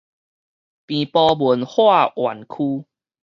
平埔文化園區